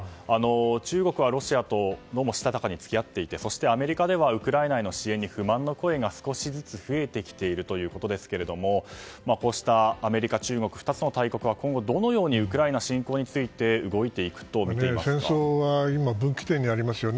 中国はロシアと、どうもしたたかに付き合っていてそしてアメリカではウクライナへの支援に不満が少しずつ増えてきているということですがこうしたアメリカ、中国の２つの大国は今後、どのようにウクライナ侵攻について戦争が分岐点にありますよね。